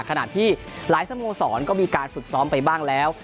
ขณะที่หลายสโมสรก็มีการฝึกซ้อมไปบ้างแล้ว